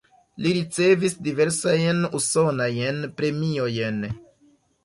Li ricevis diversajn usonajn premiojn.